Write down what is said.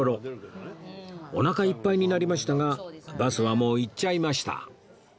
おなかいっぱいになりましたがバスはもう行っちゃいました